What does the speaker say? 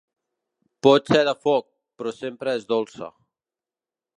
Pot ser de foc, però sempre és dolça.